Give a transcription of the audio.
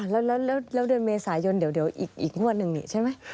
แล้วเดือนเมษายนเดี๋ยวอีกงวดหนึ่งนี่ใช่ไหม